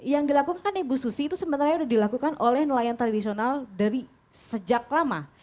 yang dilakukan ibu susi itu sebenarnya sudah dilakukan oleh nelayan tradisional dari sejak lama